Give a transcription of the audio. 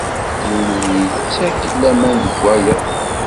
Yiwen ur yettak laman deg wayeḍ.